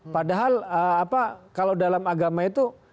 padahal kalau dalam agama itu